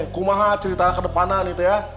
kumaha cerita kedepanan itu ya